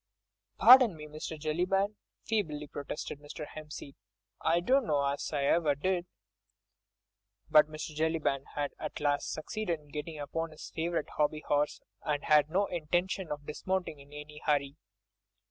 "Pardon me, Mr. Jellyband," feebly protested Mr. Hempseed, "I dunno as I ever did." But Mr. Jellyband had at last succeeded in getting upon his favourite hobby horse, and had no intention of dismounting in any hurry.